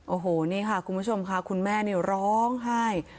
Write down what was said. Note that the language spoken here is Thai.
โอ้โหนี่ค่ะคุณผู้ชมค่ะคุณแม่นี่ร้องไห้